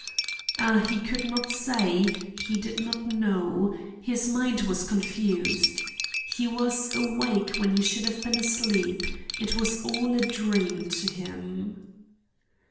Ah, he could not say; he did not know; his mind was confused. He was awake when he should have been asleep. It was all a dream to him.